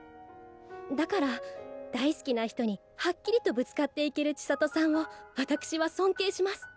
だから大好きな人にはっきりとぶつかっていける千砂都さんをわたくしは尊敬します。